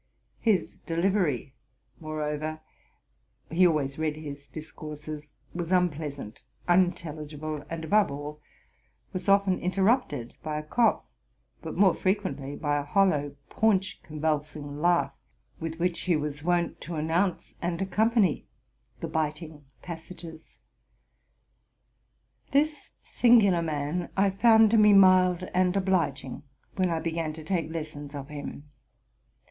His delivery, moreover, — he always read his discourses, — was unpleasant, unintelligible, and, above all, was often interrupted by a cough, but more frequently by a hollow, paunch convulsing laugh, with which he was wont to announce and accompany the biting pas sages. This singular man I found to be mild and obliging when I began to take lessons of him.